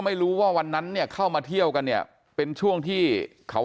ไม่รู้ว่าวันนั้นเนี่ยเข้ามาเที่ยวกันเนี่ยเป็นช่วงที่เขา